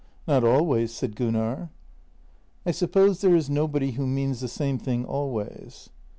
" Not always," said Gunnar. " I suppose there is nobody who means the same thing al ways."